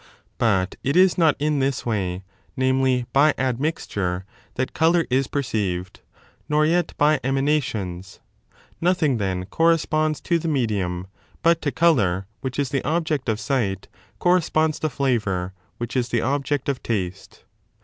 But it is not in this way, namely, by admixture, that colour is perceived, nor yet by emanations. Nothing, then, corresponds to the medium; but to colour, which is the object of sight, corresponds the flavour, which is the object of Moisture vaste.